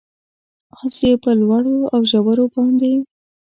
اس یې په لوړو اوژورو باندې،